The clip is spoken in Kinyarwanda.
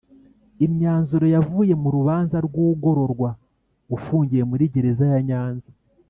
Imyanzuro yavuye m’urubanza rw’ugororwa ufungiye muri Gereza ya Nyanza